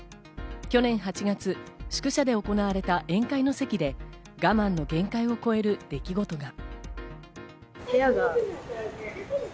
去年８月、宿舎で行われた宴会の席で我慢の限界を超える出来事が。